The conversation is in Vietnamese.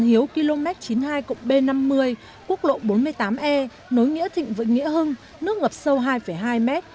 hiếu km chín mươi hai cộng b năm mươi quốc lộ bốn mươi tám e nối nghĩa thịnh với nghĩa hưng nước ngập sâu hai hai mét